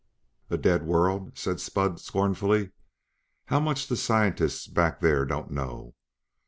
"A dead world!" said Spud scornfully. "How much the scientists back there don't know!